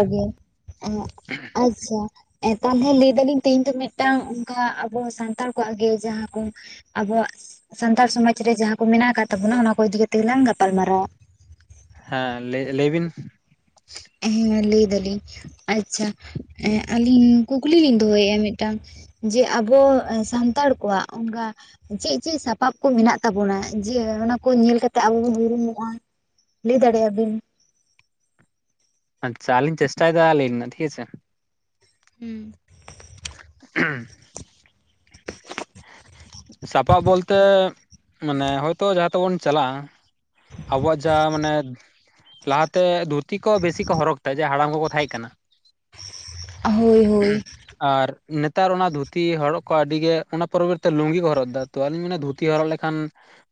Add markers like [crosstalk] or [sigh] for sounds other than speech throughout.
ᱟᱜᱮ ᱮᱸ ᱟᱡ᱾ ᱟᱪᱪᱷᱟ ᱮᱸ ᱛᱟᱦᱚᱞᱮ ᱞᱟᱹᱭ ᱫᱟᱞᱤᱧ ᱛᱮᱦᱤᱧ ᱫᱚ ᱢᱤᱫᱴᱟᱝ ᱚᱝᱠᱟ ᱟᱵᱚ ᱥᱟᱱᱛᱟᱲ ᱠᱚᱣᱟᱜ ᱜᱮ ᱡᱟᱦᱟᱸ ᱠᱚ, ᱟᱵᱚᱣᱟᱜ ᱥᱟᱱᱛᱟᱲ ᱥᱚᱢᱟᱡᱽ ᱨᱮ ᱡᱟᱦᱟᱸ ᱠᱚ ᱢᱮᱱᱟᱜ ᱟᱠᱟᱫ ᱛᱟᱵᱚᱱᱟ ᱚᱱᱟᱠᱩ ᱤᱫᱤ ᱠᱟᱛᱮ ᱜᱮᱞᱟᱝ ᱜᱟᱯᱟᱞ ᱢᱟᱨᱟᱨᱟᱣᱟ᱾ ᱦᱮᱸ ᱞᱟᱹᱭ ᱞᱟᱹᱭ ᱵᱤᱱ᱾ ᱦᱮᱸ ᱞᱟᱹᱭ ᱫᱟᱞᱤᱧ ᱟᱪᱪᱷᱟ ᱮᱸ ᱟᱹᱞᱤᱧ ᱠᱩᱠᱞᱤ ᱞᱤᱧ ᱫᱚᱦᱚᱭᱮᱼᱟ ᱢᱤᱫᱴᱟᱝ᱾ ᱡᱮ ᱟᱵᱚ ᱥᱟᱱᱛᱟᱲ ᱠᱚᱣᱟᱜ ᱚᱝᱠᱟ, ᱪᱮᱫ ᱪᱮᱫ ᱥᱟᱯᱟᱵ ᱠᱚ ᱢᱮᱱᱟᱜ ᱛᱟᱵᱚᱱᱟ? ᱡᱮ ᱚᱱᱟ ᱠᱚ ᱧᱮᱞ ᱠᱟᱛᱮᱜ ᱟᱵᱚ ᱵᱚᱱ ᱩᱨᱩᱢᱚᱜᱼᱟ, ᱞᱟᱹᱭ ᱫᱟᱲᱮᱭᱟᱜ ᱵᱤᱱ? ᱟᱪᱪᱷᱟ ᱟᱹᱞᱤᱧ ᱪᱮᱥᱴᱟᱭᱮᱫᱟ ᱞᱟᱹᱭ ᱨᱮᱱᱟ ᱴᱷᱤᱠ ᱟᱪᱷᱮ᱾ ᱦᱩᱸ, [unintelligible] ᱥᱟᱯᱟᱵ ᱵᱚᱞᱛᱮ ᱢᱟᱱᱮ ᱦᱳᱭᱛᱳ ᱡᱟᱦᱟᱸ ᱛᱮᱵᱚᱱ ᱪᱟᱞᱟᱜᱼᱟ, ᱟᱵᱚᱣᱟᱜ ᱡᱟ ᱢᱟᱱᱮᱫ, ᱞᱟᱦᱟᱛᱮ ᱫᱷᱩᱛᱤ ᱠᱚ ᱵᱮᱥᱤ ᱠᱚ ᱦᱚᱨᱚᱜᱽ ᱛᱟᱦᱮ ᱡᱮ ᱦᱟᱲᱟᱢ ᱠᱚᱠᱚ ᱛᱟᱦᱮᱸ ᱠᱟᱱᱟ᱾ ᱦᱳᱭ ᱦᱳᱭ ᱟᱨ ᱱᱮᱛᱟᱨ ᱚᱱᱟ ᱫᱷᱩᱛᱤ ᱦᱚᱲᱚᱜ ᱠᱚ ᱟᱹᱰᱤ ᱜᱮ ᱚᱱᱟ ᱯᱚᱨᱚᱵᱚᱨᱛᱮ ᱞᱩᱝᱜᱤ ᱠᱚ ᱦᱚᱨᱚᱜ ᱫᱟ ᱛᱚ ᱟᱹᱞᱤᱧ ᱢᱮᱱᱟ ᱫᱷᱩᱛᱤ ᱦᱚᱨᱚᱜ ᱞᱮᱠᱷᱟᱱ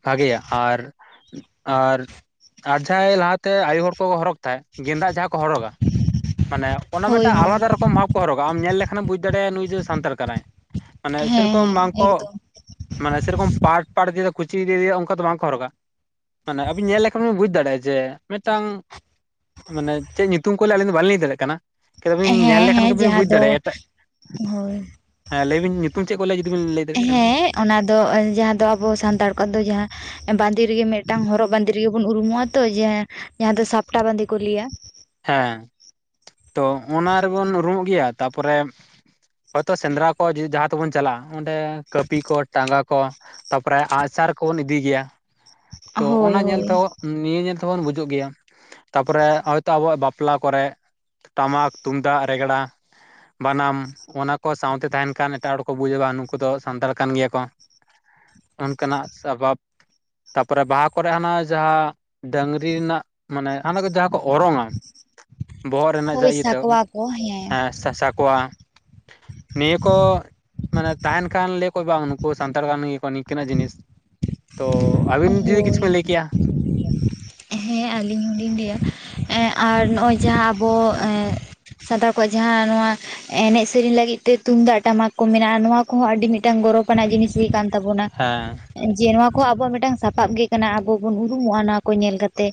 ᱵᱷᱟᱜᱮᱭᱟ ᱟᱨ, ᱟᱨ, ᱟᱨ ᱡᱟᱦᱟᱸᱭ ᱞᱟᱦᱟᱛᱮ ᱟᱭᱳ ᱦᱚᱲ ᱠᱚ ᱦᱚᱨᱚᱜᱽ ᱛᱟᱦᱮᱸ ᱜᱮᱸᱫᱟᱜ ᱡᱟᱦᱟᱸ ᱠᱚ ᱦᱚᱨᱚᱜᱟ ᱢᱟᱱᱮ, ᱚᱱᱟ ᱦᱳᱭ ᱢᱤᱫᱴᱟᱝ ᱦᱳᱭ ᱟᱞᱟᱫᱟ ᱨᱚᱠᱚᱢ ᱵᱷᱟᱵᱽ ᱠᱚ ᱦᱚᱨᱚᱜᱟ ᱟᱢ ᱧᱮᱞ ᱞᱮᱠᱷᱟᱱᱮᱢ ᱵᱩᱡᱽ ᱫᱟᱲᱮᱭᱟᱜᱼᱟ ᱱᱩᱭ ᱫᱚ ᱥᱟᱱᱛᱟᱲ ᱠᱟᱱᱟᱭ᱾ ᱢᱟᱱᱮ ᱦᱮᱸ ᱥᱮᱨᱚᱠᱚᱢ ᱦᱮᱸ ᱵᱟᱝᱠᱚ ᱮᱠᱫᱚᱢ ᱢᱟᱱᱮ ᱥᱮᱨᱚᱠᱚᱢ ᱯᱟᱴ ᱯᱟᱴ ᱫᱤᱭᱮ ᱫᱚ ᱠᱩᱪᱤ ᱫᱤᱭᱮ ᱫᱤᱭᱮ ᱚᱝᱠᱟ ᱫᱚ ᱵᱟᱝᱠᱚ ᱦᱚᱨᱚᱜᱟ᱾ ᱢᱟᱱᱮ ᱟᱵᱤᱱ ᱧᱮᱞ ᱞᱮᱠᱷᱟᱱ ᱵᱤᱱ ᱵᱩᱡᱽ ᱫᱟᱲᱮᱭᱟᱜᱼᱟ ᱡᱮ ᱢᱤᱫᱴᱟᱝ ᱢᱟᱱᱮ ᱪᱮᱫ ᱧᱩᱛᱩᱢ ᱠᱚ ᱞᱟᱹᱭᱟ ᱟᱹᱞᱤᱧ ᱫᱚ ᱵᱟᱞᱤᱧ ᱞᱟᱹᱭ ᱫᱟᱲᱮᱭᱟᱜ ᱠᱟᱱᱟ᱾ ᱠᱤᱱᱵᱤᱱ ᱧᱮᱞ ᱦᱮᱸ ᱞᱮᱠᱷᱟᱱ ᱦᱮᱸ ᱜᱮᱵᱤᱱ ᱡᱟᱦᱟᱸ ᱵᱩᱡᱽ ᱫᱚ ᱫᱟᱲᱮᱭᱟᱜᱼᱟ ᱮᱴᱟᱜ ᱦᱳᱭ ᱦᱮᱸ ᱞᱟᱹᱭᱵᱤᱱ ᱧᱩᱛᱩᱢ ᱪᱮᱫ ᱠᱚ ᱞᱮ ᱡᱩᱫᱤ ᱵᱤᱱ ᱞᱟᱹᱭᱟᱲᱮ ᱠᱷᱟᱱ? ᱦᱮᱸ ᱚᱱᱟ ᱫᱚ ᱡᱟᱦᱟᱸ ᱫᱚ ᱟᱵᱚ ᱥᱟᱱᱛᱟᱲ ᱠᱚᱣᱟᱜ ᱫᱚ ᱡᱟᱦᱟᱸ ᱵᱟᱸᱫᱮ ᱨᱮᱜᱮ ᱢᱤᱫᱴᱟᱝ ᱦᱚᱨᱚᱜ ᱵᱟᱸᱫᱮ ᱨᱮᱜᱮ ᱵᱚᱱ ᱩᱨᱩᱢᱚᱜᱼᱟ ᱛᱚ ᱡᱮ ᱡᱟᱦᱟᱸ ᱫᱚ ᱥᱟᱯᱴᱟ ᱵᱟᱸᱫᱮ ᱠᱚ ᱞᱟᱹᱭᱟ᱾ ᱦᱮᱸ ᱛᱚ ᱚᱱᱟ ᱨᱮᱵᱚᱱ ᱩᱨᱩᱢᱚᱜ ᱜᱮᱭᱟ ᱛᱟᱨᱯᱚᱨᱮ ᱦᱳᱭᱛᱳ ᱥᱮᱸᱫᱽᱨᱟ ᱠᱚ ᱡᱩᱫᱤ ᱡᱟᱦᱟᱸ ᱛᱮᱵᱚᱱ ᱪᱟᱞᱟᱜᱼᱟ᱾ ᱚᱸᱰᱮ ᱠᱟᱹᱯᱤ ᱠᱚ ᱴᱟᱸᱜᱟ ᱠᱚ ᱛᱟᱯᱚᱨᱮ ᱟᱜᱪᱟᱨ ᱠᱚᱵᱚᱱ ᱤᱫᱤ ᱜᱮᱭᱟ᱾ ᱛᱚ ᱦᱳᱭ ᱚᱱᱟ ᱧᱮᱞ ᱦᱳᱭ ᱛᱮᱦᱚᱸ ᱱᱤᱭᱟᱹ ᱧᱮᱞ ᱛᱮᱦᱵᱚᱱ ᱵᱩᱡᱩᱜ ᱜᱮᱭᱟ ᱛᱟᱯᱚᱨᱮ ᱛᱚ ᱟᱵᱚᱣᱟᱜ ᱵᱟᱯᱞᱟ ᱠᱚᱨᱮᱫ ᱴᱟᱢᱟᱠ ᱛᱩᱢᱫᱟᱜ ᱨᱮᱜᱽᱲᱟ᱾ ᱵᱟᱱᱟᱢ ᱚᱱᱟ ᱠᱚ ᱥᱟᱶᱛᱮ ᱛᱟᱦᱮᱱ ᱠᱷᱟᱱ ᱮᱴᱟᱜ ᱦᱚᱲ ᱠᱚ ᱵᱩᱡᱟ ᱵᱟ ᱱᱩᱠᱩ ᱫᱚ ᱥᱟᱱᱛᱟᱲ ᱠᱟᱱ ᱜᱮᱭᱟ ᱠᱚ᱾ ᱚᱱᱠᱟᱱᱟᱜ ᱥᱟᱯᱟᱵ᱾ ᱛᱟᱯᱚᱨᱮ ᱵᱟᱦᱟ ᱠᱚᱨᱮ ᱦᱟᱱᱟ ᱡᱟᱦᱟᱸ ᱰᱟᱝᱨᱤ ᱨᱮᱱᱟᱜ ᱢᱟᱱᱮ ᱦᱟᱱᱟ ᱠᱚ ᱡᱟᱦᱟᱸ ᱠᱚ ᱚᱨᱚᱝᱟ ᱵᱚᱦᱚᱜ ᱨᱮᱱᱟᱜ ᱡᱟ ᱦᱳᱭ ᱤᱭᱟᱛᱮ ᱥᱟᱠᱣᱟ ᱠᱚ ᱦᱮᱸ ᱥᱟᱸ ᱥᱟᱠᱚᱣᱟ᱾ ᱱᱤᱭᱟ ᱠᱚ ᱢᱟᱱᱮ ᱛᱟᱦᱮᱱ ᱠᱷᱟᱱ ᱞᱟᱹᱭᱟᱠᱚ ᱵᱟᱝ ᱱᱩᱠᱩ ᱥᱟᱱᱛᱟᱲ ᱠᱟᱱ ᱜᱮ ᱠᱚ ᱱᱤᱝᱠᱟᱹᱱᱟᱜ ᱡᱤᱱᱤᱥ᱾ ᱛᱚ ᱟᱹᱵᱤᱱ ᱡᱩᱫᱤ ᱠᱤᱪᱷᱩ ᱦᱳᱭ ᱵᱤᱱ ᱞᱟᱹᱭ ᱠᱮᱭᱟ᱾ ᱦᱮᱸ ᱟᱹᱞᱤᱧ ᱦᱚᱞᱤᱧ ᱞᱟᱹᱭᱟ ᱮᱸᱜ ᱟᱨ ᱱᱚᱜᱼᱚᱭ ᱡᱟᱦᱟᱸ ᱟᱵᱚ ᱮᱸᱜ ᱥᱟᱱᱛᱟᱲ ᱠᱚᱣᱟᱜ ᱡᱟᱦᱟᱸ ᱱᱚᱣᱟ ᱮᱱᱮᱡ ᱥᱮᱨᱮᱧ ᱞᱟᱹᱜᱤᱫ ᱛᱮ ᱛᱩᱢᱫᱟᱜ ᱴᱟᱢᱟᱠ ᱠᱚ ᱢᱮᱱᱟᱜᱼᱟ ᱾ ᱱᱚᱣᱟ ᱠᱚᱦᱚᱸ ᱟᱹᱰᱤ ᱢᱤᱫᱴᱟᱝ ᱜᱚᱨᱚᱵᱽ᱾ ᱚᱱᱟ ᱡᱤᱱᱤᱥ ᱜᱮ ᱠᱟᱱ ᱛᱟᱵᱚᱱᱟ ᱦᱮᱸ ᱾ ᱡᱮ ᱱᱚᱶᱟ ᱠᱚ ᱟᱵᱚᱣᱟᱜ ᱢᱤᱫᱴᱟᱝ ᱥᱟᱯᱟᱵ ᱜᱮ ᱠᱟᱱᱟ ᱟᱵᱚ ᱵᱚᱱ ᱩᱨᱩᱢᱚᱜᱼᱟ ᱱᱚᱣᱟ ᱠᱚ ᱧᱮᱞ ᱠᱟᱛᱮ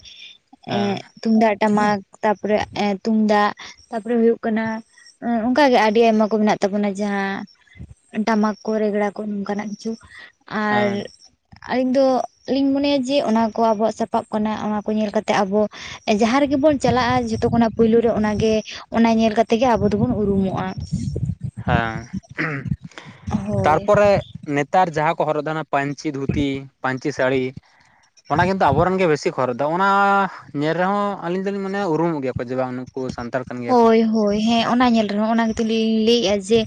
ᱮᱸ ᱦᱮᱸ ᱛᱩᱢᱫᱟᱜ ᱴᱟᱢᱟᱠ ᱛᱟᱯᱚᱨᱮ ᱮᱸ ᱛᱩᱢᱫᱟᱜ ᱛᱟᱯᱚᱨᱮ ᱦᱩᱭᱩᱜ ᱠᱟᱱᱟ ᱚᱱᱠᱟᱜᱮ ᱟᱹᱰᱤ ᱟᱭᱢᱟ ᱠᱚ ᱢᱮᱱᱟᱜ ᱛᱟᱵᱚᱱᱟ ᱡᱟᱦᱟᱸ ᱴᱟᱢᱟᱠ ᱠᱚ ᱨᱮᱜᱽᱲᱟ ᱠᱚ ᱱᱚᱝᱠᱟᱱᱟᱜ ᱠᱤᱪᱷᱩ᱾ ᱟᱨ ᱦᱮᱸ ᱟᱹᱞᱤᱧ ᱫᱚ ᱞᱤᱧ ᱢᱚᱱᱮᱭᱟ ᱡᱮ ᱚᱱᱟ ᱠᱚ ᱟᱵᱚᱣᱟᱜ ᱥᱟᱯᱟᱵ ᱠᱟᱱᱟ ᱾ ᱚᱱᱟ ᱠᱚ ᱧᱮᱞ ᱠᱟᱛᱮ ᱟᱵᱚ ᱡᱟᱦᱟᱸ ᱨᱮᱜᱮ ᱵᱚᱱ ᱪᱟᱞᱟᱜ-ᱟ ᱡᱷᱚᱛᱚ ᱠᱷᱚᱱᱟᱜ ᱯᱩᱭᱞᱩ ᱨᱮ ᱚᱱᱟᱜᱮ ᱚᱱᱟ ᱧᱮᱞ ᱠᱟᱛᱮᱜ ᱜᱮ ᱟᱵᱚ ᱫᱚᱵᱚᱱ ᱩᱨᱩᱢᱚᱜ-ᱟ ᱦᱮᱸ ᱦᱳᱭ ᱛᱟᱨᱯᱚᱨᱮ ᱱᱮᱛᱟᱨ ᱡᱟᱦᱟᱸ ᱠᱚ ᱦᱚᱨᱚᱜ ᱫᱟ ᱱᱟ ᱯᱟᱹᱧᱪᱤ ᱫᱷᱩᱛᱤ, ᱯᱟᱹᱧᱪᱤ ᱥᱟᱹᱲᱤ, ᱚᱱᱟ ᱜᱮᱛᱚ ᱟᱵᱚᱨᱮᱱ ᱜᱮ ᱵᱮᱥᱤ ᱠᱚ ᱦᱚᱨ ᱫᱚ ᱚᱱᱟ ᱧᱮᱞ ᱨᱮᱦᱚᱸ ᱟᱹᱞᱤᱧ ᱫᱚᱞᱤᱧ ᱢᱟᱱᱮ ᱩᱨᱩᱢᱚᱜ ᱜᱮᱭᱟ ᱯᱟᱪᱮ ᱵᱟᱝ ᱱᱩᱠᱩ ᱥᱟᱱᱛᱟᱲ ᱠᱟᱱ ᱜᱮᱭᱟ ᱠᱚ ᱦᱳᱭ ᱦᱳᱭ ᱦᱮᱸ ᱚᱱᱟ ᱧᱮᱞ ᱨᱮᱦᱚᱸ, ᱚᱱᱟ ᱜᱮᱛᱚ ᱞᱤᱧ ᱞᱟᱹᱭᱮᱜ-ᱟ ᱡᱮ,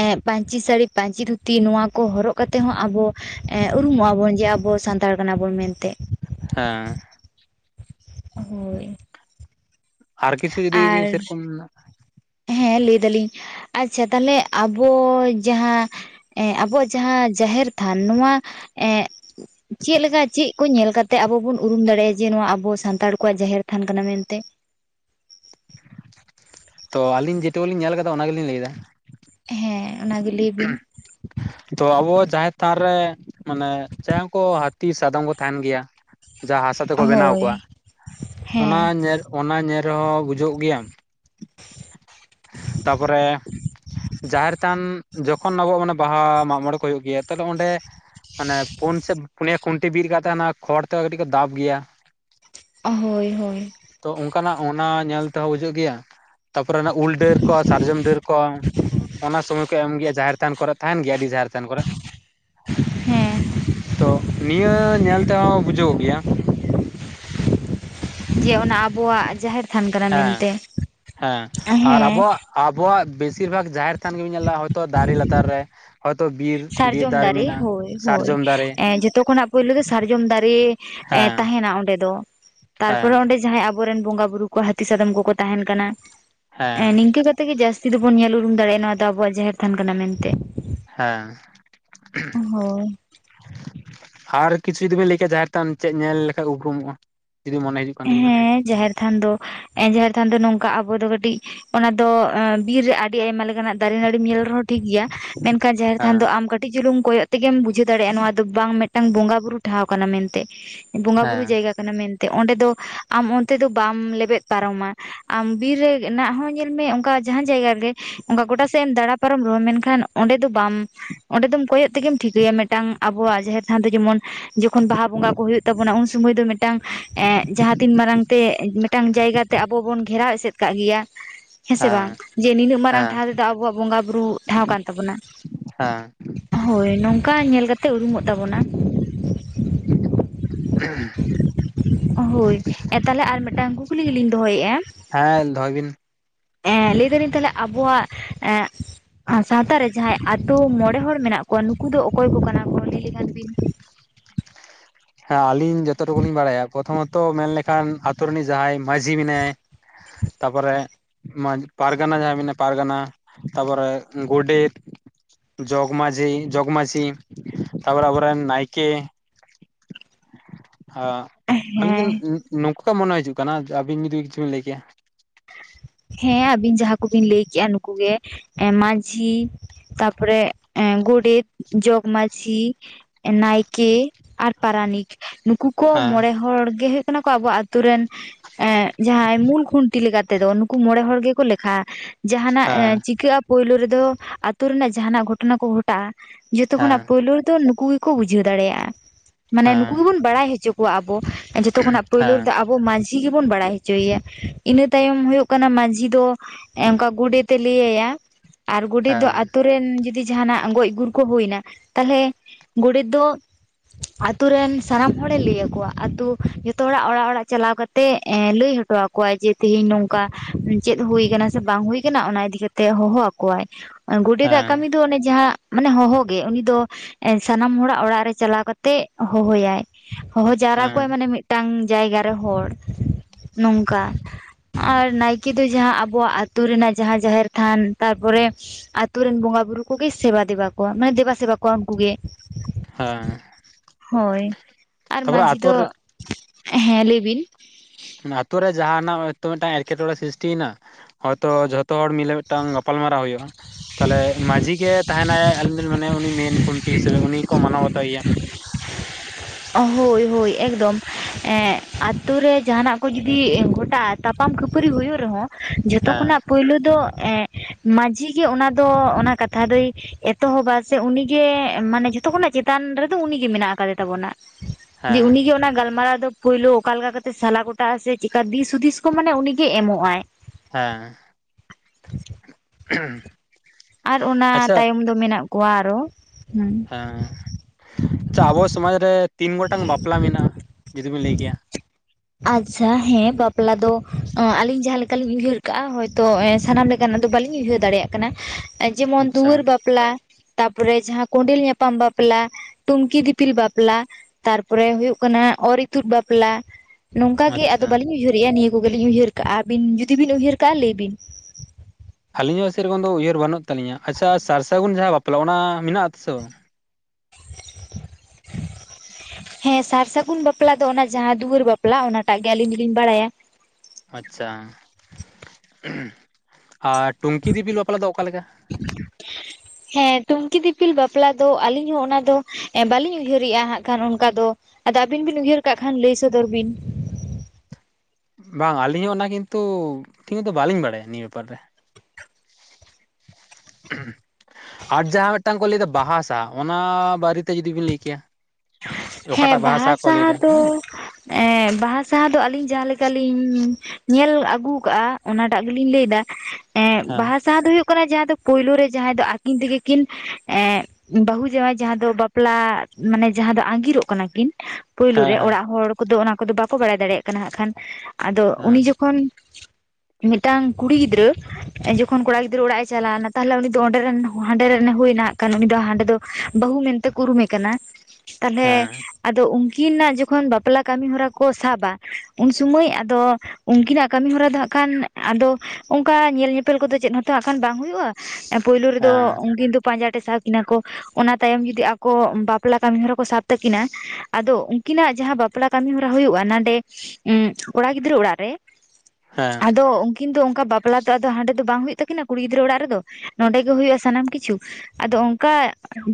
ᱮᱸᱜ ᱯᱟᱹᱧᱪᱤ ᱥᱟᱹᱲᱤ, ᱯᱟᱹᱧᱪᱤ ᱫᱷᱩᱛᱤ, ᱱᱚᱣᱟ ᱠᱚ ᱦᱚᱨᱚᱜ ᱠᱟᱛᱮᱜ ᱦᱚᱸ ᱟᱵᱚ, ᱮᱸ ᱩᱨᱩᱢᱚᱜ ᱟᱵᱚᱱ ᱡᱮ ᱟᱵᱚ ᱥᱟᱱᱛᱟᱲ ᱠᱟᱱᱟ ᱵᱚᱱ ᱢᱮᱱᱛᱮ᱾ ᱦᱮᱸ᱾ ᱦᱳᱭ᱾ ᱟᱨ ᱠᱤᱪᱷᱩ ᱡᱩᱫᱤ ᱟᱨ ᱥᱮᱨᱚᱠᱚᱢ ᱱᱟᱜ ᱦᱮᱸ, ᱞᱟᱹᱭ ᱫᱟᱹᱞᱤᱧ ᱟᱪᱪᱷᱟ ᱛᱟᱦᱚᱞᱮ ᱟᱵᱚ ᱡᱟᱦᱟᱸ ᱟᱵᱚᱣᱟᱜ ᱡᱟᱦᱟᱸ ᱡᱟᱦᱮᱨ ᱛᱷᱟᱱ ᱱᱚᱣᱟ ᱮᱸ ᱪᱮᱫᱞᱮᱠᱟ ᱪᱮᱫ ᱠᱚ ᱧᱮᱞ ᱠᱟᱛᱮᱜ ᱟᱵᱚ ᱵᱚᱱ ᱩᱨᱩᱢ ᱫᱟᱲᱮᱜ-ᱟ, ᱡᱮ ᱱᱚᱶᱟ ᱟᱵᱚ ᱥᱟᱱᱛᱟᱲ ᱠᱚᱣᱟᱜ ᱡᱟᱦᱮᱨ ᱛᱷᱟᱱ ᱠᱟᱱᱟ ᱢᱮᱱᱛᱮ? ᱛᱚ ᱟᱹᱞᱤᱧ ᱡᱮ ᱴᱩᱠᱩ ᱞᱤᱧ ᱧᱮᱞ ᱠᱟᱫᱟ ᱚᱱᱟ ᱜᱮᱞᱤᱧ ᱞᱟᱹᱭᱫᱟ᱾ ᱦᱮᱸ ᱚᱱᱟ ᱜᱮ, ᱛᱚ ᱟᱵᱚ ᱡᱟᱦᱮᱨ ᱛᱷᱟᱱ ᱨᱮ ᱢᱟᱱᱮ ᱡᱟᱦᱟᱸᱭ ᱠᱚ ᱦᱟᱹᱛᱤ ᱥᱟᱫᱚᱢ ᱠᱚ ᱛᱟᱦᱮᱸᱱ ᱜᱮᱭᱟ ᱡᱟᱦᱟᱸ ᱦᱟᱥᱟ ᱛᱮᱠᱚ ᱵᱮᱱᱟᱣ ᱦᱳᱭ ᱠᱚᱣᱟ ᱚᱱᱟ ᱦᱮᱸ ᱧᱮᱞ ᱚᱱᱟ ᱧᱮᱞ ᱨᱮᱦᱚᱸ ᱵᱩᱡᱷᱟᱹᱜ ᱜᱮᱭᱟ ᱾ ᱛᱟᱯᱚᱨᱮ ᱡᱟᱦᱮᱨ ᱛᱷᱟᱱ᱾ ᱡᱚᱠᱷᱚᱱ ᱟᱵᱚᱣᱟᱜ ᱢᱟᱱᱮ ᱵᱟᱦᱟ ᱢᱟᱜ ᱢᱚᱬᱮ ᱠᱚ ᱦᱩᱭᱩᱜ ᱜᱮᱭᱟ ᱛᱟᱦᱞᱮ ᱚᱸᱰᱮ ᱢᱟᱱᱮ ᱯᱩᱱ ᱥᱮᱜ ᱯᱩᱱᱭᱟ ᱠᱷᱩᱱᱴᱤ ᱵᱤᱫ ᱠᱟᱛᱮᱜ ᱦᱟᱱᱟ ᱠᱷᱚᱲ ᱛᱮ ᱟᱹᱣᱨᱤ ᱠᱚ ᱫᱟᱵ ᱜᱮᱭᱟ᱾ ᱦᱳᱭ ᱦᱳᱭ ᱛᱚ ᱚᱝᱠᱟᱱᱟᱜ ᱚᱱᱟ ᱧᱮᱞ ᱛᱮ ᱦᱚᱸ ᱵᱩᱡᱷᱟᱹᱜ ᱜᱮᱭᱟ, ᱛᱟᱯᱚᱨᱮ ᱚᱱᱟ ᱩᱞ ᱰᱟᱹᱨ ᱠᱚ, ᱥᱟᱨᱡᱚᱢ ᱰᱟᱹᱨ ᱠᱚ, ᱚᱱᱟ ᱥᱳᱢᱳᱭ ᱠᱚ ᱮᱢ ᱜᱮᱭᱟ ᱡᱟᱦᱮᱨ ᱛᱷᱟᱱ ᱠᱚᱨᱮ ᱛᱟᱦᱮᱱ ᱜᱮᱭᱟ ᱟᱹᱰᱤ ᱡᱟᱦᱮᱨ ᱛᱷᱟᱱ ᱠᱚᱨᱮ᱾ ᱦᱮᱸ ᱛᱚ ᱱᱤᱭᱟᱹ ᱧᱮᱞ ᱛᱮ ᱦᱚᱸ ᱵᱩᱡᱟᱹᱣ ᱜᱮᱭᱟ᱾ ᱡᱮ ᱚᱱᱟ ᱟᱵᱚᱣᱟᱜ ᱡᱟᱦᱮᱨ ᱛᱷᱟᱱ ᱠᱟᱱᱟ ᱦᱮᱸ ᱢᱮᱱᱛᱮ ᱦᱮᱸ ᱟᱨ ᱦᱮᱸ᱾ ᱟᱵᱚᱣᱟᱜ ᱟᱵᱚᱣᱟᱜ ᱵᱮᱥᱤᱨ ᱵᱷᱟᱜᱽ ᱡᱟᱦᱮᱨ ᱛᱷᱟᱱ ᱜᱤᱢ ᱧᱮᱞᱟ ᱦᱚᱭᱛᱳ ᱫᱟᱨᱮ ᱞᱟᱛᱟᱨ ᱨᱮ᱾ ᱦᱚᱭᱛᱳ ᱵᱤᱨ ᱵᱤᱨ ᱥᱟᱨᱡᱚᱢ ᱫᱟᱨᱮ, ᱢᱮᱱᱟᱜᱼᱟ ᱦᱳᱭ ᱦᱳᱭ ᱥᱟᱨᱡᱚᱢ ᱫᱟᱨᱮ ᱮ ᱡᱚᱛᱚ ᱠᱷᱚᱱᱟᱜ ᱯᱳᱭᱞᱳ ᱫᱚ ᱥᱟᱨᱡᱚᱢ ᱫᱟᱨᱮ ᱦᱮᱸ ᱛᱟᱦᱮᱱᱟ ᱚᱸᱰᱮ ᱫᱚ, ᱦᱮᱸ ᱛᱟᱨᱯᱚᱨᱮ ᱚᱸᱰᱮ ᱡᱟᱦᱟᱸᱭ ᱟᱵᱚᱨᱮᱱ ᱵᱚᱸᱜᱟ ᱵᱩᱨᱩ ᱠᱚ ᱦᱟᱹᱛᱤ ᱥᱟᱫᱚᱢ ᱠᱚᱠᱚ ᱛᱟᱦᱮᱱ ᱠᱟᱱᱟ᱾ ᱮ ᱦᱮᱸ ᱱᱤᱝᱠᱟ ᱠᱟ ᱛᱮ ᱜᱮ ᱡᱟᱹᱥᱛᱤ ᱫᱚᱵᱚᱱ ᱧᱮᱞ ᱩᱨᱩᱢ ᱫᱟᱲᱮᱭᱟᱜ-ᱟ, ᱱᱚᱣᱟ ᱫᱚ ᱟᱵᱚᱣᱟᱜ ᱡᱟᱦᱮᱨ ᱛᱷᱟᱱ ᱠᱟᱱᱟ ᱢᱮᱱᱛᱮ᱾ ᱦᱮᱸ, ᱦᱳᱭ ᱟᱨ ᱠᱤᱪᱷᱩ ᱡᱩᱫᱤ ᱵᱤᱱ ᱞᱟᱹᱭ ᱠᱮᱭᱟ ᱡᱟᱦᱮᱨ ᱛᱷᱟᱱ ᱪᱮᱫ ᱧᱮᱞ ᱞᱮᱠᱷᱟᱱ ᱩᱯᱨᱩᱢᱚᱜ-ᱟ? ᱡᱩᱫᱤ ᱢᱚᱱᱮ ᱦᱤᱡᱩᱜ ᱠᱟᱱ ᱛᱟᱵᱤᱱᱟ ᱦᱮᱸ ᱡᱟᱦᱮᱨ ᱛᱷᱟᱱ ᱫᱚ ᱮᱸ ᱡᱟᱦᱮᱨ ᱛᱷᱟᱱ ᱫᱚ ᱱᱚᱝᱠᱟ ᱟᱵᱚ ᱫᱚ ᱠᱟᱹᱴᱤᱡ ᱚᱱᱟ ᱫᱚ ᱮᱸ ᱵᱤᱨ ᱨᱮ ᱟᱹᱰᱤ ᱟᱭᱢᱟ ᱞᱮᱠᱟᱱᱟᱜ ᱫᱟᱨᱮ ᱱᱟᱹᱲᱤᱢ ᱧᱮᱞ ᱨᱮᱦᱚᱸ ᱴᱷᱤᱠ ᱜᱮᱭᱟ᱾ ᱢᱮᱱᱠᱷᱟᱱ ᱡᱟᱦᱮᱨ ᱛᱷᱟᱱ ᱫᱚ ᱦᱮᱸ ᱟᱢ ᱠᱟᱹᱴ ᱴᱤ ᱪᱩᱞᱩᱝ ᱠᱚᱭᱚᱜ ᱛᱮᱜᱮᱢ ᱵᱩᱡᱷᱟᱹ ᱫᱟᱲᱮᱭᱟᱜᱼᱟ ᱱᱚᱣᱟ ᱫᱚ ᱵᱟᱝ ᱢᱤᱫᱴᱟᱝ ᱵᱚᱸᱜᱟ ᱵᱩᱨᱩ ᱴᱷᱟᱶ ᱠᱟᱱᱟ ᱢᱮᱱ ᱛᱮ ᱾ ᱵᱚᱸᱜᱟ ᱵᱩᱨᱩ ᱦᱮᱸ ᱡᱟᱭᱜᱟ ᱠᱟᱱᱟ ᱢᱮᱱᱛᱮ ᱚᱸᱰᱮ ᱫᱚ ᱟᱢ ᱚᱱᱛᱮ ᱫᱚ ᱵᱟᱢ ᱞᱮᱵᱮᱫ ᱯᱟᱨᱚᱢᱟ ᱾ ᱟᱢ ᱵᱤᱨ ᱨᱮ ᱨᱮᱱᱟᱜ ᱦᱚᱸ ᱧᱮᱞ ᱢᱮ ᱚᱱᱠᱟ ᱡᱟᱦᱟᱸ ᱡᱟᱭᱜᱟ ᱨᱮᱜᱮ ᱚᱱᱠᱟ ᱜᱚᱴᱟ ᱥᱮᱫ ᱮᱢ ᱫᱟᱲᱟ ᱯᱟᱨᱮᱢ ᱨᱚᱦ ᱢᱮᱱᱠᱷᱟᱱ ᱚᱸᱰᱮ ᱫᱚ ᱵᱟᱢ ᱚᱸᱰᱮ ᱫᱚᱢ ᱠᱚᱭᱚᱜ ᱛᱮᱜᱮᱢ ᱴᱷᱤᱠᱟᱹᱭᱟ ᱢᱤᱫᱴᱟᱝ ᱟᱵᱚᱣᱟᱜ ᱡᱟᱦᱮᱨ ᱛᱷᱟᱱ ᱨᱮ ᱡᱮᱢᱚᱱ ᱡᱚᱠᱷᱚᱱ ᱵᱟᱦᱟ ᱵᱚᱸᱜᱟ ᱠᱚ ᱦᱩᱭᱩᱜᱜ ᱛᱟᱵᱱᱟ ᱩᱱ ᱥᱩᱚᱢᱚᱭ ᱫᱚ᱾ ᱢᱤᱫᱴᱟᱝ ᱮ ᱡᱟᱦᱟᱸ ᱛᱤᱱ ᱢᱟᱨᱟᱲᱟᱝ ᱛᱮ ᱢᱤᱫᱴᱟᱝ ᱡᱟᱭᱜᱟᱛᱮ ᱟᱵᱚ ᱵᱚᱱ ᱜᱷᱮᱨᱟᱣ ᱮᱥᱮᱫ ᱠᱟᱜ ᱜᱮᱭᱟ᱾ ᱦᱮᱸ ᱥᱮ ᱵᱟᱝ ᱡᱮ ᱱᱤᱱᱟᱹᱜ ᱢᱟᱨᱟᱝ ᱴᱷᱟᱶ ᱨᱮᱫᱚ ᱟᱵᱚᱣᱟᱜ ᱵᱚᱸᱜᱟ ᱵᱩᱨᱩ ᱴᱷᱟᱶ ᱠᱟᱱ ᱛᱟᱵᱳᱱᱟ᱾ ᱦᱮᱸ ᱦᱳᱭ ᱱᱚᱝᱠᱟ ᱧᱮᱞ ᱠᱟᱛᱮ ᱩᱨᱩᱢᱚᱜ ᱛᱟᱵᱚᱱ᱾ [unintelligible] ᱦᱳᱭ ᱛᱟᱦᱚᱞᱮ ᱟᱨ ᱢᱤᱫᱴᱟᱝ ᱠᱩᱠᱞᱤ ᱜᱮᱞᱤᱧ ᱫᱚᱦᱚᱭᱮᱫᱼᱟ᱾ ᱦᱮᱸ ᱫᱚᱦᱚᱭ ᱵᱤᱱ᱾ ᱮᱸ ᱞᱟᱹᱭ ᱫᱟᱞᱤᱧ ᱛᱟᱦᱚᱞᱮ ᱟᱵᱚᱣᱟᱜ ᱮ ᱥᱟᱶᱛᱟᱨ ᱨᱮ ᱡᱟᱦᱟᱸᱭ ᱟᱛᱳ ᱢᱚᱬᱮ ᱦᱚᱲ ᱢᱮᱱᱟᱜ ᱠᱚᱣᱟ ᱱᱩᱠᱩ ᱫᱚ ᱚᱠᱚᱭ ᱠᱚ ᱠᱟᱱᱟ ᱠᱚ ᱞᱟᱹᱭ ᱞᱮᱠᱷᱟᱱ ᱵᱤᱱ᱾ ᱦᱮᱸ ᱟᱞᱤᱧ ᱡᱚᱛᱚᱴᱩᱠᱩ ᱞᱤᱧ ᱵᱟᱲᱟᱭᱟ ᱯᱨᱚᱛᱷᱚᱢᱚᱛᱚ ᱢᱮᱱᱞᱠᱷᱟᱱ ᱟᱛᱳ ᱨᱤᱱᱤᱡ ᱡᱟᱦᱟᱸᱭ ᱢᱟᱺᱡᱷᱤ ᱢᱮᱱᱟᱭᱟ ᱛᱟᱯᱚᱨᱮ ᱢᱟ ᱯᱟᱨᱜᱟᱱᱟ ᱡᱟᱦᱟᱸ ᱢᱮ ᱯᱟᱨᱜᱟᱱᱟ ᱛᱟᱨᱯᱚᱨᱮ ᱜᱳᱰᱮᱛ᱾ ᱡᱚᱜᱽᱢᱟᱺᱡᱷᱤ ᱡᱚᱜᱽᱢᱟᱺᱡᱷᱤ ᱛᱟᱯᱚᱨᱮ ᱟᱵᱚᱨᱮᱱ ᱱᱟᱭᱠᱮ᱾ ᱦ ᱟᱹᱞᱤᱧ ᱫᱚ ᱦᱮᱸ ᱱᱚᱝᱠᱟ ᱜᱮ ᱢᱚᱱᱮ ᱦᱤᱡᱩᱜ ᱠᱟᱱᱟ ᱟᱹᱵᱤᱱ ᱡᱩᱫᱤ ᱠᱤᱪᱷᱩ ᱵᱤᱱ ᱞᱟᱹᱭ ᱠᱮᱭᱟ᱾ ᱦᱮᱸ ᱟᱹᱵᱤᱱ ᱡᱟᱦᱟᱸ ᱠᱚᱵᱤᱱ ᱞᱟᱹᱭ ᱠᱮᱜᱼᱟ ᱱᱩᱠᱩᱩ ᱜᱮ᱾ ᱢᱟᱺᱡᱷᱤ ᱛᱟᱯᱚᱨᱮ ᱜᱚᱰᱮᱛ, ᱡᱚᱜᱽᱢᱟᱺᱡᱷᱤ ᱱᱟᱭᱠᱮ ᱟᱨ ᱯᱟᱨᱟᱱᱤᱠ ᱱᱩᱠᱩ ᱠᱚ ᱦᱮᱸ ᱢᱚᱬᱮ ᱦᱚᱲ ᱜᱮ ᱦᱩᱭᱩᱜ ᱠᱟᱱᱟ ᱠᱚ ᱟᱵᱚ ᱟᱛᱩᱨ ᱨᱮᱱ ᱮ ᱡᱟᱦᱟᱸᱭ ᱢᱩᱞ ᱠᱷᱩᱱᱴᱤ ᱞᱮᱠᱟ ᱛᱮᱫᱚ᱾ ᱢᱚᱬᱮ ᱦᱚᱲ ᱜᱮᱠᱚ ᱞᱮᱠᱷᱟᱜᱼᱟ ᱦᱮᱸ ᱡᱟᱦᱟᱱᱟᱜ ᱪᱤᱠᱟᱹᱜᱼᱟ᱾ ᱯᱩᱭᱭᱞᱩ ᱨᱮᱫᱚ ᱟᱛᱳ ᱨᱮᱱᱟᱜ ᱡᱟᱦᱱᱟᱜ ᱜᱷᱚᱴᱚᱱᱟ ᱠᱚ ᱜᱷᱚᱴᱟᱜᱼᱟ ᱡᱷᱚᱛᱚ ᱦᱮᱸ ᱠᱷᱚᱱᱟᱜ ᱯᱩᱭᱭᱞᱩ ᱨᱮᱫᱚ ᱱᱩᱠᱩ ᱠᱚ ᱵᱩᱡᱷᱟᱹᱣ ᱫᱟᱲᱮᱭᱟᱜᱼᱟ᱾ ᱢᱟᱱᱮ ᱱᱩᱠᱩ ᱦᱮᱸ ᱜᱮᱵᱩᱱ ᱵᱟᱲᱟᱭ ᱦᱚᱪᱚ ᱠᱚᱣᱟ ᱟᱵᱚ ᱡᱷᱚᱛᱚ ᱠᱷᱚᱱᱟᱜ ᱯᱩᱭᱞᱳ ᱦᱮᱸ ᱨᱮᱫᱚ ᱟᱵᱚ ᱢᱟ ᱡᱷᱤ ᱜᱮᱵᱚᱱ ᱵᱟᱲᱟᱭ ᱦᱚᱪᱚᱭᱮᱭᱟ ᱤᱱᱟᱹ ᱛᱟᱭᱚᱢ ᱦᱩᱭᱩᱜ ᱠᱟᱱᱟ ᱢᱟᱡᱷᱤ ᱫᱚ ᱚᱱᱠᱟ ᱜᱚᱰᱮᱛᱭ ᱞᱟᱹᱭᱭᱟ ᱟᱨ ᱜᱚᱰᱮᱛ ᱫᱚ ᱦᱮᱸ ᱟᱛᱳ ᱨᱮᱱ ᱡᱩᱫᱤ ᱡᱟᱦᱟᱱᱟᱜ ᱜᱚᱡ ᱜᱩᱨ ᱠᱚ ᱦᱩᱭ ᱮᱱᱟ ᱛᱟᱦᱚᱞᱮ ᱜᱚᱰᱮᱛ ᱫᱚ ᱟᱛᱳ ᱨᱮᱱ ᱥᱟᱱᱟᱢ ᱦᱚᱲᱮ ᱞᱟᱹᱭ ᱟᱠᱚᱣᱟ, ᱟᱛᱳ ᱡᱷᱚᱛᱚ ᱦᱚᱲᱟᱜ ᱚᱲᱟᱜ ᱚᱲᱟᱜ ᱪᱟᱞᱟᱣ ᱠᱟ ᱛᱮ ᱞᱟᱹᱭ ᱦᱚᱴᱚᱣᱟᱚᱣᱟ ᱡᱮ ᱛᱮᱦᱤᱧ ᱱᱚᱝ ᱚᱱᱠᱟ ᱪᱮᱫ ᱦᱩᱭ ᱟᱠᱟᱱᱟ ᱥᱮ ᱵᱟᱝ ᱦᱩᱭ ᱟᱠᱟᱱᱟ ᱚᱱᱟ ᱤᱫᱤ ᱠᱟᱛᱮᱫ ᱦᱚᱦᱚ ᱟᱠᱚᱣᱟᱭ᱾ ᱜᱚᱰᱮᱛᱟᱜ ᱦᱮᱸ ᱠᱟᱹᱢᱤ ᱫᱚ ᱚᱱᱮ ᱡᱟᱦᱟᱸ ᱢᱟᱱᱮ ᱦᱚᱦᱚᱜᱮ ᱩᱱᱤ ᱫᱚ ᱥᱟᱱᱟᱢ ᱦᱚᱲᱟᱜ ᱚᱲᱟᱜ ᱨᱮ ᱪᱟᱞᱟᱣ ᱠᱟᱛᱮᱜ ᱦᱚᱦᱚᱭᱟᱭ᱾ ᱦᱚᱦᱚ ᱡᱟᱣᱨᱟ ᱦᱮᱸ ᱠᱚᱣᱟᱭ ᱢᱟᱱᱮ ᱢᱤᱫᱴᱟᱝ ᱡᱟᱭᱜᱟ ᱨᱮ ᱦᱚᱲ ᱱᱚᱝᱠᱟ᱾ ᱟᱨ ᱱᱟᱭᱠᱮ ᱫᱚ ᱡᱟᱦᱟᱸ ᱟᱵᱚᱣᱟᱜ ᱟᱛᱳ ᱨᱮᱱᱟᱜ ᱡᱟᱦᱟᱸ ᱡᱟᱦᱮᱨ ᱛᱷᱟᱱ ᱛᱟᱨᱯᱚᱨᱮ ᱟᱛᱩᱨ ᱨᱮᱱ ᱵᱚᱸᱜᱟ ᱵᱩᱨᱩ ᱠᱚᱜᱮ ᱥᱮᱵᱟ ᱫᱮᱵᱟ ᱠᱚᱣᱟ, ᱢᱟᱱᱮ ᱫᱮᱵᱟ ᱥᱮᱵᱟ ᱠᱚᱣᱟ ᱩᱱᱠᱩᱜ ᱜᱮ᱾ ᱦᱮᱸ ᱦᱳᱭ ᱟᱨ ᱛᱟᱯᱚᱨᱮ ᱢᱟᱹᱡᱷᱤ ᱟᱛᱳ ᱫᱚ ᱨᱮ ᱦᱮᱸ ᱞᱟᱹᱭ ᱵᱤᱱ? ᱟᱛᱩᱨ ᱨᱮ ᱡᱟᱦᱟᱱᱟᱜ ᱦᱚᱭᱛᱚ ᱢᱤᱫᱴᱟᱝ ᱮᱴᱠᱮᱴᱚᱬᱮ ᱥᱨᱤᱥᱴᱤᱭᱮᱱᱟ ᱦᱚᱭᱛᱚ ᱡᱚᱛᱚ ᱦᱚᱲ ᱢᱤᱞᱮ ᱢᱤᱫᱴᱟᱝ ᱜᱟᱯᱟᱞᱢᱟᱨᱟᱣ ᱦᱩᱭᱩᱜᱼᱟ, ᱛᱟᱦᱚᱞᱮ ᱢᱟᱡᱷᱤ ᱜᱮ ᱛᱟᱦᱮᱱᱟᱭ ᱟᱞᱤᱧ ᱫᱚᱞᱤᱧ ᱢᱚᱱᱮᱭᱟ ᱩᱱᱤ ᱢᱮᱱ ᱠᱷᱩᱱ ᱴᱤ᱾ ᱥᱮ ᱩᱱᱤ ᱜᱮᱠᱚ ᱢᱟᱱᱟᱣ ᱵᱟᱛᱟᱭ-ᱟ᱾ ᱦᱳᱭ ᱦᱳᱭ ᱮᱠᱫᱚᱢ ᱟᱛᱳ ᱨᱮ ᱡᱟᱦᱟᱱᱟᱜ ᱠᱚ ᱡᱩᱫᱤ ᱜᱚᱴᱟᱜᱼᱟ ᱛᱟᱯᱟᱢ ᱠᱷᱟᱹᱯᱟᱹᱨᱤ ᱦᱩᱭᱩᱜ ᱨᱮᱦᱚᱸ ᱡᱚᱛᱚ ᱦᱮᱸ ᱠᱷᱚᱱᱟᱜ ᱯᱩᱭᱞᱳ ᱫᱚ ᱢᱟᱺᱡᱷᱤ ᱜᱮ ᱚᱱᱟ ᱫᱚ ᱚᱱᱟ ᱠᱟᱛᱷᱟ ᱫᱚᱭ ᱮᱛᱚᱦᱚᱵ-ᱟ ᱥᱮ ᱩᱱᱤᱜᱮ ᱢᱟᱱᱮ ᱡᱷᱚᱛᱚ ᱠᱷᱚᱱᱟᱜ ᱪᱮᱛᱟᱱ ᱨᱮᱫᱚ ᱩᱱᱤᱜᱮ ᱢᱮᱱᱟᱜ ᱟᱠᱟᱫᱮ ᱛᱟᱵᱚᱱᱟ᱾ ᱡᱮ ᱦᱮᱸ ᱩᱱᱤᱜᱮ ᱚᱱᱟ ᱜᱟᱞᱢᱟᱨᱟᱣ ᱫᱚ-ᱼ ᱯᱩᱭᱭᱞᱳ ᱚᱠᱟ ᱞᱮᱠᱟ ᱠᱟᱛᱮ ᱥᱟᱞᱟ ᱜᱚᱴᱟᱜᱼᱟ ᱥᱮ ᱪᱮᱠᱟ ᱫᱤᱥ ᱦᱩᱫᱤᱥ ᱠᱚ ᱢᱟᱱᱮ ᱩᱱᱤᱜᱮ ᱮᱢᱚᱜᱼᱟᱭ᱾ ᱦᱮᱸ [unintelligible] ᱟᱨ ᱚᱱᱟ ᱟᱪᱪᱷᱟ ᱛᱟᱭᱚᱢ ᱫᱚ ᱢᱮᱱᱟᱜ ᱠᱚᱣᱟ ᱟᱨᱚ ᱦᱩᱸ ᱟᱪᱪᱷᱟ ᱟᱵᱚ ᱥᱚᱢᱟᱡᱽ ᱨᱮ ᱛᱤᱱ ᱜᱚᱴᱟᱝ ᱵᱟᱯᱞᱟ ᱢᱮᱱᱟᱜ-ᱟ ᱡᱩᱫᱤ ᱵᱤᱱ ᱞᱟᱹᱭ ᱠᱮᱭᱟ? ᱟᱪᱪᱷᱟ ᱦᱮᱸ ᱵᱟᱯᱞᱟ ᱫᱚ ᱟᱞᱤᱧ ᱡᱟᱦᱟᱸ ᱞᱮᱠᱟᱞᱤᱧ ᱩᱭᱦᱟᱹᱨ ᱠᱟᱜᱼᱟ ᱦᱚᱭᱛᱚ ᱥᱟᱱᱟᱢ ᱞᱮᱠᱟᱱᱟᱜ ᱫᱚ ᱵᱟᱞᱤᱧ ᱩᱭᱦᱟᱹᱨ ᱫᱟᱲᱮᱭᱟᱜ ᱠᱟᱱᱟ ᱡᱮᱢᱚᱱ ᱟᱪᱪᱷᱟ ᱫᱩᱣᱟᱹᱨ ᱵᱟᱯᱞᱟ, ᱛᱟᱯᱚᱨᱮ ᱡᱟᱦᱟᱸ ᱠᱚᱸᱰᱮᱞ ᱧᱟᱯᱟᱢ ᱵᱟᱯᱞᱟ, ᱴᱩᱝᱠᱤ ᱫᱤᱯᱤᱞ ᱵᱟᱯᱞᱟ ᱛᱟᱨᱯᱚᱨᱮ ᱦᱩᱭᱩᱜ ᱠᱟᱱᱟ ᱚᱨ ᱤᱛᱩᱫ ᱵᱟᱯᱞᱟ᱾ ᱱᱚᱝᱠᱟ ᱜᱮ ᱟᱫᱚ ᱟᱪᱪᱷᱟ ᱵᱟᱞᱤᱧ ᱩᱭᱦᱟᱹᱨᱮᱜ-ᱟ ᱱᱤᱭᱟᱹ ᱠᱚᱜᱮᱞᱤᱧ ᱩᱭᱦᱟᱹᱨ ᱠᱟᱜ-ᱟ ᱟᱹᱵᱤᱱ ᱡᱩᱫᱤ ᱵᱤᱱ ᱩᱭᱦᱟᱹᱨ ᱠᱟᱜ-ᱟ ᱞᱟᱹᱭ ᱵᱤᱱ᱾ ᱟᱹᱞᱤᱧ ᱦᱚᱸ ᱥᱮᱨᱚᱠᱚᱢ ᱫᱚ ᱩᱭᱦᱟᱹᱨ ᱵᱟᱹᱱᱩᱜ ᱛᱟᱹᱞᱤᱧᱟ᱾ ᱟᱪᱪᱷᱟ ᱥᱟᱨ ᱥᱟᱹᱜᱩᱱ ᱡᱟᱦᱟᱸ ᱵᱟᱯᱞᱟ ᱚᱱᱟ ᱢᱮᱱᱟᱜ ᱟᱥᱮ ᱵᱟᱝ? [inaudible] [unintelligible] ᱦᱮᱸ ᱥᱟᱨ ᱥᱟᱹᱜᱩᱱ ᱵᱟᱯᱞᱟ ᱫᱚ ᱚᱱᱟ ᱡᱟᱦᱟᱸ ᱫᱩᱣᱟᱹᱨ ᱵᱟᱯᱞᱟ ᱚᱱᱟᱴᱟᱜ ᱜᱮ ᱟᱹᱞᱤᱧ ᱫᱚᱞᱤᱧ ᱵᱟᱲᱟᱭᱟ᱾ ᱟᱪᱪᱷᱟ ᱟᱨ ᱴᱩᱝᱠᱤ ᱫᱤᱯᱤᱞ ᱵᱟᱯᱞᱟ ᱫᱚ ᱚᱠᱟᱞᱮᱠᱟ? [inaudible] ᱦᱮᱸ ᱴᱩᱝᱠᱤ ᱫᱤᱯᱤᱞ ᱵᱟᱯᱞᱟ ᱫᱚ ᱟᱹᱞᱤᱧ ᱦᱚᱸ ᱚᱱᱟ ᱫᱚ ᱵᱟᱹᱞᱤᱧ ᱩᱭᱦᱟᱹᱨᱮᱜ-ᱟ ᱦᱟᱸᱜ ᱠᱷᱟᱱ ᱚᱱᱠᱟ ᱫᱚ᱾ ᱟᱫᱚ ᱟᱹᱵᱤᱱ ᱵᱤᱱ ᱩᱭᱦᱟᱹᱨ ᱠᱟᱜ ᱠᱷᱟᱱ ᱞᱟᱹᱭ ᱥᱚᱫᱚᱨ ᱵᱤᱱ᱾ ᱵᱟᱝ ᱟᱹᱞᱤᱧ ᱦᱚᱸ ᱚᱱᱟ ᱠᱤᱱᱛᱩ ᱴᱷᱤᱠ ᱫᱚ ᱵᱟᱹᱞᱤᱧ ᱵᱟᱲᱟᱭᱟ ᱱᱤᱭᱟᱹ ᱯᱮᱯᱟᱨ ᱛᱮ᱾ [unintelligible] ᱟᱨ ᱡᱟᱦᱟᱸ ᱢᱤᱫᱴᱟᱝ ᱠᱚ ᱞᱟᱹᱭᱫᱟ ᱵᱟᱦᱟ ᱥᱟᱣᱦᱟ ᱚᱱᱟ ᱵᱟᱨᱮᱛᱮ ᱡᱩᱫᱤ ᱵᱤᱱ ᱞᱟᱹᱭ ᱠᱮᱭᱟ? ᱦᱮᱸ ᱚᱠᱟᱴᱟᱜ ᱵᱟᱦᱟ ᱥᱟᱦᱟ ᱠᱚ ᱥᱟᱸᱣᱦᱟ ᱞᱟᱹᱭᱫᱟ ᱫᱚ ᱮᱸ ᱵᱟᱦᱟ ᱥᱟᱸᱣᱦᱟ ᱫᱚ ᱟᱹᱞᱤᱧ ᱡᱟᱦᱟᱸ ᱞᱮᱠᱟᱞᱤᱧ ᱧᱮᱞ ᱟᱹᱜᱩ ᱟᱠᱟᱜ-ᱟ ᱚᱱᱟᱴᱟᱜ ᱜᱮᱞᱤᱧ ᱞᱟᱹᱭ ᱮᱫᱟ ᱮᱜ ᱦᱮᱸ ᱵᱟᱦᱟ ᱥᱟᱸᱣᱦᱟ ᱫᱚ ᱦᱩᱭᱩᱜ ᱠᱟᱱᱟ ᱡᱟᱦᱟᱸ ᱫᱚ ᱯᱳᱭᱞᱳ ᱨᱮ ᱡᱟᱦᱟᱸᱭ ᱫᱚ ᱟᱹᱠᱤᱱ ᱛᱮᱜᱮ ᱠᱤᱱ ᱮᱜᱸ ᱵᱟᱹᱦᱩ ᱡᱟᱶᱟᱭ ᱡᱟᱦᱟᱸ ᱫᱚ ᱵᱟᱯᱞᱟ ᱢᱟᱱᱮ ᱡᱟᱦᱟᱸ ᱫᱚ ᱟᱸᱜᱤᱨᱚᱜ ᱠᱟᱱᱟ ᱠᱤᱱ ᱯᱳᱭᱞᱳ ᱦᱮᱸ ᱨᱮ ᱦᱮᱸ ᱚᱲᱟᱜ ᱦᱚᱲ ᱠᱚᱫᱚ ᱚᱱᱟ ᱠᱚᱫᱚ ᱵᱟᱠᱚ ᱵᱟᱲᱟᱭ ᱫᱟᱲᱮᱭᱟᱜ ᱠᱟᱱᱟ ᱦᱟᱸᱜ ᱠᱷᱟᱱ᱾ ᱟᱫᱚ ᱩᱱᱤ ᱦᱮᱸ ᱡᱚᱠᱷᱚᱱ ᱢᱤᱫᱴᱟᱝ ᱠᱩᱲᱤ ᱜᱤᱫᱽᱨᱟᱹ ᱮ ᱡᱚᱠᱷᱚᱱ ᱠᱚᱲᱟ ᱜᱤᱫᱽᱨᱟᱹ ᱚᱲᱟᱜ ᱮ ᱪᱟᱞᱟᱣᱱᱟ ᱛᱟᱦᱚᱞᱮ ᱩᱱᱤ ᱫᱚ ᱚᱸᱰᱮ ᱨᱮᱱ ᱦᱟᱸᱰᱮ ᱨᱮᱱᱮ ᱦᱩᱭᱱᱟ ᱦᱟᱜᱠᱷᱟᱱ ᱩᱱᱤ ᱫᱚ ᱦᱟᱸᱰᱮ ᱫᱚ ᱵᱟᱹᱦᱩ ᱢᱮᱱ ᱛᱮᱠᱚ ᱩᱨᱩᱢᱮ ᱠᱟᱱᱟ᱾ ᱛᱟᱞᱦᱮ ᱦᱮᱸ ᱟᱫᱚ ᱩᱝᱠᱤᱱᱟᱜ ᱡᱚᱠᱷᱚᱱ ᱵᱟᱯᱞᱟ ᱠᱟᱹᱢᱤ ᱦᱚᱨᱟ ᱠᱚ ᱥᱟᱵᱟ ᱩᱱ ᱥᱚᱢᱟᱹᱭ ᱟᱫᱚ ᱩᱱᱠᱤᱱᱟᱜ ᱠᱟᱹᱢᱤ ᱦᱚᱨᱟ ᱫᱚ ᱦᱟᱸᱜ ᱠᱷᱟᱱ ᱟᱫᱚ ᱚᱝᱠᱟ ᱧᱮᱞ ᱧᱮᱯᱮᱞ ᱠᱚᱫᱚ ᱪᱮᱫ ᱦᱚᱸᱛᱚ ᱦᱟᱸᱜᱠᱷᱟᱱ ᱵᱟᱝ ᱦᱩᱭᱩᱜᱼᱟ᱾ ᱮ ᱯᱳᱭᱞᱳ ᱨᱮᱫᱚ ᱦᱮᱸ ᱩᱱᱠᱤᱱ ᱫᱚ ᱯᱟᱸᱡᱟ ᱴᱮᱥᱟᱣ ᱠᱤᱱᱟᱹ ᱠᱚ᱾ ᱚᱱᱟ ᱛᱟᱭᱚᱢ ᱡᱩᱫᱤ ᱟᱠᱚ ᱵᱟᱯᱞᱟ ᱠᱟᱹᱢᱤ ᱦᱚᱨᱟ ᱠᱚ ᱥᱟᱵ ᱛᱟᱹᱠᱤᱱᱟ ᱟᱫᱚ ᱩᱱᱠᱤᱱᱟᱜ ᱡᱟᱦᱟᱸ ᱵᱟᱯᱞᱟ ᱠᱟᱹᱢᱤ ᱦᱚᱨᱟ ᱦᱩᱭᱩᱜ-ᱟ ᱱᱟᱸᱰᱮ᱾ ᱩᱸᱜ ᱠᱚᱲᱟ ᱜᱤᱫᱽᱨᱟᱹ ᱚᱲᱟᱜ ᱨᱮ᱾ ᱦᱮᱸ ᱟᱫᱚ ᱠᱤᱱᱛᱩ ᱚᱱᱠᱟ ᱵᱟᱯᱞᱟ ᱫᱚ ᱟᱫᱚ ᱦᱟᱸᱰᱮ ᱫᱚ ᱵᱟᱝ ᱦᱩᱭᱩᱜ ᱛᱟᱹᱠᱤᱱᱟ ᱠᱩᱲᱤ ᱜᱤᱫᱽᱨᱟᱹ ᱚᱲᱟᱜ ᱨᱮᱫᱚ᱾ ᱱᱚᱸᱰᱮ ᱜᱮ ᱦᱳᱭᱳᱼᱟ ᱥᱟᱱᱟᱢ ᱠᱤᱪᱷᱩ᱾ ᱟᱫᱚ ᱚᱱᱠᱟ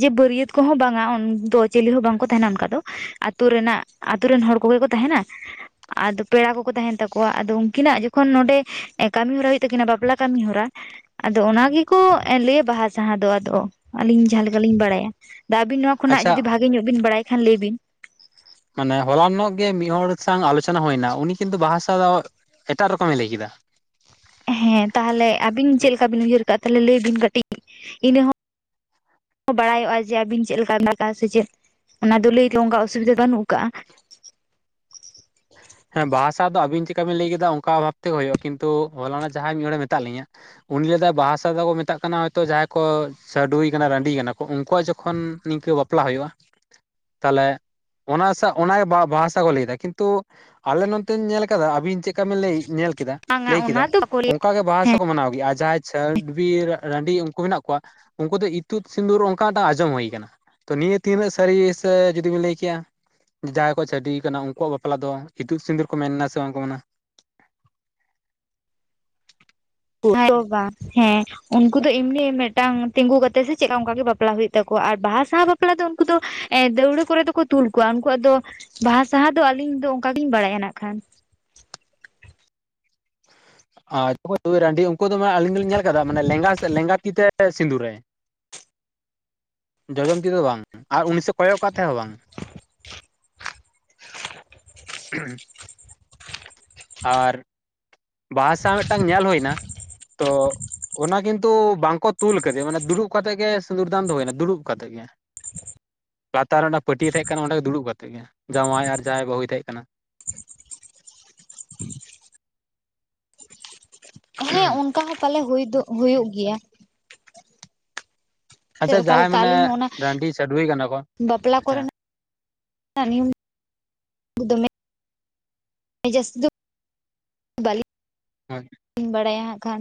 ᱡᱮ ᱵᱟᱹᱨᱭᱟᱹᱛ ᱠᱚᱦᱚᱸ ᱵᱟᱝᱟ ᱩᱱ ᱫᱚ ᱪᱮᱞᱤ ᱦᱚᱸ ᱵᱟᱝᱠᱚ ᱛᱟᱦᱮᱱᱟ ᱚᱱᱠᱟ ᱫᱚ᱾ ᱟᱹᱛᱩ ᱨᱮᱱᱟᱜ ᱟᱹᱛᱩ ᱨᱮᱱ ᱦᱚᱲ ᱠᱚᱜᱮ ᱠᱚ ᱛᱟᱦᱮᱱᱟ᱾ ᱟᱫᱚ ᱯᱮᱲᱟ ᱠᱚᱠᱚ ᱛᱟᱦᱮᱱ ᱛᱟᱠᱚᱣᱟ᱾ ᱟᱫᱚ ᱩᱱᱠᱤᱱᱟᱜ ᱡᱚᱠᱷᱚᱱ ᱱᱚᱸᱰᱮ ᱮ ᱠᱟᱹᱢᱤᱦᱚᱨᱟ ᱦᱩᱭᱩᱜ ᱛᱟᱹᱠᱤᱱᱟ ᱵᱟᱯᱞᱟ ᱠᱟᱹᱢᱤᱦᱚᱨᱟ᱾ ᱟᱫᱚ ᱚᱱᱟ ᱜᱮᱠᱚ ᱞᱟᱹᱭᱟ ᱵᱟᱦᱟ ᱥᱟᱦᱟ ᱫᱚ ᱟᱫᱚ᱾ ᱟᱞᱤᱧ ᱡᱟᱦᱟᱸ ᱞᱮᱠᱟᱞᱤᱧ ᱵᱟᱲᱟᱭᱟ᱾ ᱟᱫᱚ ᱟᱹᱵᱤᱱ ᱱᱚᱣᱟ ᱠᱷᱚᱱᱟᱜ ᱟᱪᱪᱷᱟ ᱡᱩᱫᱤ ᱵᱷᱟᱜᱮ ᱧᱚᱜ ᱵᱤᱱ ᱵᱟᱲᱟᱭ ᱠᱷᱟᱱ ᱞᱟᱹᱭ ᱵᱤᱱ᱾ ᱢᱟᱱᱮ ᱦᱚᱞᱟᱱᱚᱜ ᱜᱮ ᱢᱤᱫ ᱦᱚᱲ ᱥᱟᱶ ᱟᱞᱳᱪᱚᱱᱟ ᱦᱩᱭᱱᱟ ᱩᱱᱤ ᱠᱤᱱᱛᱩ ᱵᱟᱦᱟ ᱥᱟᱦᱟ ᱫᱚ ᱮᱴᱟᱜ ᱨᱚᱠᱚᱢᱮ ᱞᱟᱹᱭ ᱠᱮᱫᱟ᱾ ᱦᱮᱸ ᱛᱟᱦᱚᱞᱮ ᱟᱹᱵᱤᱱ ᱪᱮᱫ ᱞᱮᱠᱟ ᱵᱤᱱ ᱩᱭᱦᱟᱹᱨ ᱠᱟᱜ-ᱟ ᱛᱟᱞᱦᱮ ᱞᱟᱹᱭ ᱵᱤᱱ ᱠᱟᱹᱴᱤᱡ ᱤᱱᱟᱹ ᱦᱚᱸ ᱦᱚ ᱵᱟᱲᱟᱭᱚᱜ-ᱟ ᱡᱮ ᱟᱹᱵᱤᱱ ᱪᱮᱫ ᱞᱮᱠᱟ [unintelligible] ᱥᱮ ᱪᱮᱫ ᱚᱱᱟ ᱫᱚ ᱞᱟᱹᱭ ᱫᱚ ᱚᱱᱠᱟ ᱚᱥᱩᱵᱤᱫᱷᱟ ᱵᱟᱹᱱᱩᱜ ᱟᱠᱟᱜᱼᱟ᱾ [inaudible] ᱦᱮᱸ ᱵᱟᱦᱟ ᱥᱟᱦ ᱫᱚ ᱟᱹᱵᱤᱱ ᱪᱮᱫᱠᱟ ᱵᱤᱱ ᱞᱟᱹᱭ ᱠᱮᱫᱟ ᱚᱱᱠᱟ ᱵᱷᱟᱵ ᱛᱮᱜᱮ ᱦᱩᱭᱩᱜ-ᱟ᱾ ᱠᱤᱱᱛᱩ ᱦᱚᱞᱟᱱᱚᱜ ᱡᱟᱦᱟᱸᱭ ᱢᱤᱫ ᱦᱚᱲᱮ ᱢᱮᱛᱟᱜ ᱞᱤᱧᱟᱹ᱾ ᱩᱱᱞ ᱞᱟᱹᱭᱫᱟᱭ ᱫᱚ ᱵᱟᱦᱟᱟᱥᱟ ᱫᱚᱠᱚ ᱢᱮᱛᱟᱜ ᱠᱟᱱᱟ ᱦᱚᱭᱛᱚ ᱡᱟᱦᱟᱸᱭ ᱠᱚ ᱥᱟᱹᱰᱩᱭ ᱠᱟᱱᱟ ᱨᱟᱺᱰᱤ ᱠᱟᱱᱟ ᱠᱚ᱾ ᱩᱱᱠᱩᱣᱟᱜ ᱡᱚᱠᱷᱚᱱ ᱱᱤᱝᱠᱟᱹ ᱵᱟᱯᱞᱟ ᱦᱩᱭᱩᱜ-ᱟ ᱛᱟᱦᱚᱞᱮ ᱚᱱᱟ ᱥᱟᱶ ᱚᱱᱟᱜᱮ ᱵᱟ-ᱵᱟᱦᱟᱥᱟ ᱠᱚ ᱞᱟᱹᱭᱟ᱾ ᱠᱤᱱᱛᱩ ᱟᱞᱮ ᱱᱚᱛᱧ ᱧᱮᱞ ᱠᱟᱫᱟ ᱟᱵᱤᱱ ᱪᱮᱫᱠᱟ ᱵᱤᱱ ᱞᱟᱹᱭ ᱧᱮᱞ ᱠᱮᱫᱟ ᱵᱟᱝᱟ ᱞᱟᱹᱭ ᱚᱱᱟ ᱠᱮᱫᱟ ᱫᱚ ᱵᱟᱠᱚ ᱞᱟᱹᱭᱟ ᱚᱱᱠᱟᱜᱮ ᱵᱟᱦᱟ ᱦᱮᱸ ᱥᱟᱦᱟ ᱠᱚ ᱢᱟᱱᱟᱣ ᱜᱮᱭᱟ ᱟᱨ ᱡᱟᱦᱟᱸᱭ ᱪᱷᱰᱣᱤ ᱨᱟ-ᱨᱟᱺᱰᱤ ᱩᱱᱠᱩ ᱢᱮᱱᱟᱜ ᱠᱚᱣᱟ ᱩᱱᱠᱩ ᱫᱚ ᱤᱛᱩᱫ ᱥᱤᱸᱫᱩᱨ ᱚᱱᱠᱟ ᱢᱤᱫᱴᱟᱝ ᱟᱸᱡᱚᱢ ᱦᱩᱭ ᱠᱟᱱᱟ᱾ ᱛᱚ ᱱᱤᱭᱟᱹ ᱛᱤᱱᱟᱹᱜ ᱥᱟᱹᱨᱤ ᱥᱮ ᱡᱩᱫᱤ ᱵᱮᱤᱱ ᱞᱟᱹᱭ ᱠᱮᱭᱟ ᱡᱟᱦᱟᱸᱭ ᱠᱚ ᱪᱷᱟᱹᱰᱤ ᱠᱟᱱᱟ ᱩᱱᱠᱩᱣᱟᱜ ᱵᱟᱯ ᱯᱞᱟ ᱫᱚ ᱤᱛᱩᱫ ᱥᱤᱸᱫᱩᱨ ᱠᱚ ᱢᱮᱱᱱᱟ ᱥᱮ ᱵᱟᱝᱠᱚ ᱢᱮᱱᱟ? [unintelligible] ᱵᱟᱝ ᱦᱮᱸ᱾ ᱩᱱᱠᱩ ᱫᱚ ᱮᱢᱱᱤ ᱢᱤᱫᱴᱟᱝ ᱛᱤᱸᱜᱩ ᱠᱟᱛᱮ ᱥᱮ ᱪᱮᱫᱮᱠᱟ ᱚᱱᱠᱟ ᱜᱮ ᱵᱟᱯᱞᱟ ᱦᱩᱭᱩᱜ ᱛᱟᱠᱚᱣᱟ ᱟᱨ ᱵᱟᱦᱟ ᱥᱟᱦᱟ ᱵᱟᱯ ᱵᱟᱯᱞᱟ ᱫᱚ ᱩᱱᱠᱩ ᱫᱚ ᱮ ᱫᱟᱹᱣᱲᱟᱹ ᱠᱚᱨᱮ ᱫᱚᱠᱚ ᱛᱩᱞ ᱠᱚᱣᱟ᱾ ᱩᱱᱠᱩᱣᱟᱜ ᱫᱚ ᱵᱟᱦᱟ ᱥᱟᱦᱟ ᱫᱚ ᱟᱞᱤᱧ ᱫᱚ ᱚᱱᱠᱟ ᱜᱤᱧ ᱵᱟᱲᱟᱭᱟ ᱱᱟᱜ ᱠᱷᱟᱱ᱾ [unintelligible] ᱨᱟᱺᱰᱤ ᱩᱱᱠᱩᱣᱟᱜ ᱫᱚ ᱢᱟᱱᱮ ᱟᱞᱤᱧ ᱫᱚᱞᱤᱧ ᱧᱮᱞ ᱠᱟᱫᱟ ᱢᱟᱱᱮ ᱞᱮᱸᱜᱟ ᱥᱮᱫ ᱞᱮᱸᱜᱟ ᱛᱤ ᱛᱮ ᱥᱤᱸᱫᱩᱨᱟᱭᱟ᱾ ᱡᱚᱡᱚᱢ ᱛᱤ ᱛᱮᱫᱚ ᱵᱟᱝ ᱟᱨ ᱩᱱᱤ ᱥᱮᱫ ᱠᱚᱭᱚᱜ ᱠᱟᱛᱮᱦᱚᱸ ᱵᱟᱝ᱾ [inaudible] ᱟᱨ ᱵᱟᱦᱟ ᱥᱟᱦᱟ ᱢᱤᱫᱴᱟᱝ ᱧᱮᱞ ᱦᱩᱭᱱᱟ ᱛᱚ ᱚᱱᱟ ᱠᱤᱱᱛᱩ ᱵᱟᱝᱠᱚ ᱛᱩᱞ ᱠᱟᱮᱭᱟ ᱢᱟᱱᱮ ᱫᱩᱲᱩᱵ ᱠᱟᱛᱮᱜ ᱜᱮ ᱫᱩᱨᱫᱟᱱ ᱫᱚ ᱦᱩᱭᱱᱟ ᱫᱩᱲᱩᱵ ᱠᱟᱛᱮᱜ ᱜᱮ᱾ ᱞᱟᱛᱟᱨ ᱨᱮ ᱢᱤᱫᱴᱟᱝ ᱯᱟᱹᱴᱭᱟ ᱛᱟᱦᱮᱸ ᱠᱟᱱᱟ ᱚᱸᱰᱮ ᱜᱮ ᱫᱩᱲᱩᱵ ᱠᱟᱛᱮᱫ ᱜᱮ᱾ ᱡᱟᱶᱟᱭ ᱟᱨ ᱡᱟᱶᱟᱭ ᱵᱟᱹᱦᱩᱭ ᱛᱟᱦᱮᱸᱜ ᱠᱟᱱᱟ᱾ ᱦᱮᱸ ᱚᱱᱠᱟ ᱦᱚᱸ ᱯᱟᱞᱮ ᱦᱩᱭ ᱫᱚ ᱦᱩᱭᱩᱜ ᱜᱮᱭᱟ᱾ ᱪᱮᱫ ᱟᱪᱪᱷᱟ ᱡᱟᱦᱟᱸᱭ ᱚᱠᱟᱞᱮᱠᱟ ᱢᱟᱱᱮ ᱠᱟᱞᱤᱧ ᱦᱚᱸ ᱚᱱᱟ ᱨᱟᱺᱰᱤ ᱪᱟᱹᱰᱣᱤ ᱠᱟᱱᱟ ᱠᱚ ᱵᱟᱯᱞᱟ ᱦᱮᱸ ᱠᱚᱨᱮᱱᱟᱜ [unintelligible] [unintelligible] [unintelligible] ᱵᱟᱹᱧ ᱵᱟᱲᱟᱭᱟ ᱦᱟᱸᱜ ᱠᱷᱟᱱ᱾